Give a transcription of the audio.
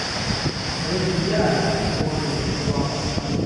ئهوه دییاره ڕۆژه و زوڵاڵه